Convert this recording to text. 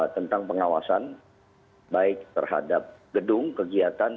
tentang pengawasan baik terhadap gedung kegiatan